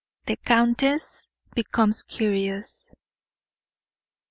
THE COUNTESS BECOMES CURIOUS.